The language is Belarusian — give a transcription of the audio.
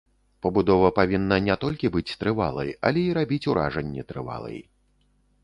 Пабудова павінна не толькі быць трывалай, але і рабіць уражанне трывалай.